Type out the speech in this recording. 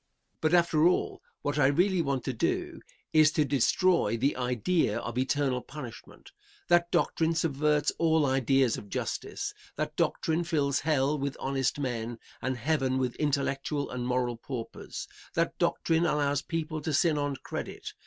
But, after all, what I really want to do is to destroy the idea of eternal punishment. That doctrine subverts all ideas of justice. That doctrine fills hell with honest men, and heaven with intellectual and moral paupers. That doctrine allows people to sin on credit.